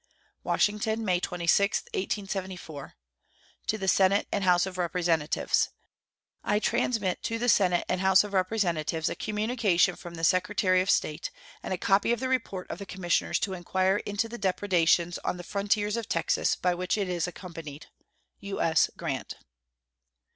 WASHINGTON, May 26, 1874. To the Senate and House of Representatives: I transmit to the Senate and House of Representatives a communication from the Secretary of State and a copy of the report of the commissioners to inquire into depredations on the frontiers of Texas, by which it is accompanied. U.S. GRANT.